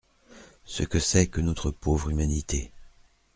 Ce que c’est que notre pauvre humanité !